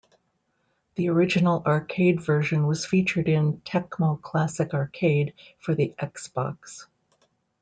The original arcade version was featured in Tecmo Classic Arcade for the Xbox.